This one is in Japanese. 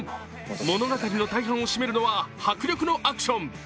物語の大半を占めるのは迫力のアクション。